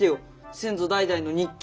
先祖代々の日記。